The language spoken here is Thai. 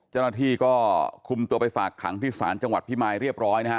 เจ้าหน้าที่ก็คุมตัวไปฝากขังที่ศาลจังหวัดพิมายเรียบร้อยนะฮะ